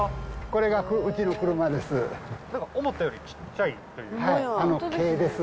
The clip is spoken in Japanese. これがうちの車です。